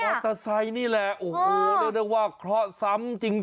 ไซค์นี่แหละโอ้โหเรียกได้ว่าเคราะห์ซ้ำจริง